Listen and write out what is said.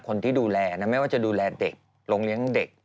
คนที่ดูแลนะไม่ว่าจะดูแลเด็กโรงเลี้ยงเด็ก